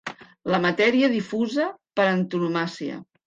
La matèria difusa per antonomàsia.